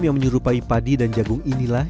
yang menyerupai padi dan jagung inilah